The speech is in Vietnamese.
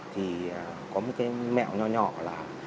thì có một cái mẹo nhỏ nhỏ là